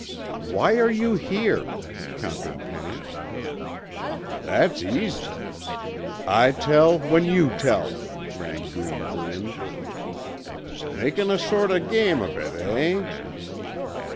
"Why are you here?" countered Penny. "That's easy. I tell, then you tell," Rangoon grinned. "Makin' a sort o' game of it, eh?